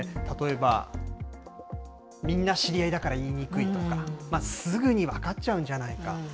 例えば、みんな知り合いだから言いにくいとか、すぐに分かっちゃうんじゃないか。